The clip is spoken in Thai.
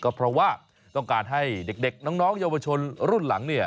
ก็เพราะว่าต้องการให้เด็กน้องเยาวชนรุ่นหลังเนี่ย